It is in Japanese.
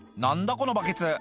このバケツ」